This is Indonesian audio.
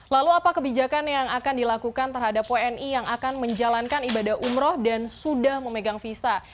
lalu apa kebijakan yang akan dilakukan terhadap wni yang akan menjalankan ibadah umroh dan sudah memegang visa